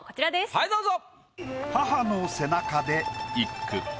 はいどうぞ。